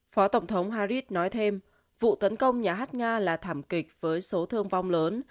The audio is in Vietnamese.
phó tổng thống harris nói thêm vụ tấn công nhà hát nga là thảm kịch với số thương vong lớn